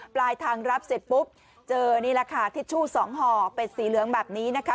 ปลายทางรับเสร็จปุ๊บเจอนี่แหละค่ะทิชชู่สองห่อเป็ดสีเหลืองแบบนี้นะคะ